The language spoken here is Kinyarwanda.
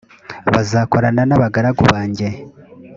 bazakorana n’abagaragu banjye